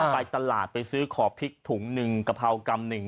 ไปตลาดไปซื้อขอพริกถุงหนึ่งกะเพรากำหนึ่ง